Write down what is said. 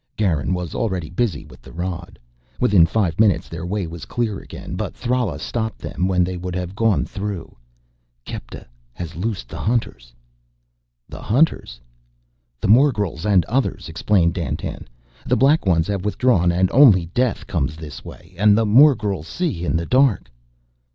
Garin was already busy with the rod. Within five minutes their way was clear again. But Thrala stopped them when they would have gone through. "Kepta has loosed the hunters." "The hunters?" "The morgels and others," explained Dandtan. "The Black Ones have withdrawn and only death comes this way. And the morgels see in the dark...."